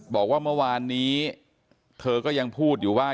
บอกว่าเมื่อวานนี้เธอก็ยังพูดอยู่ว่า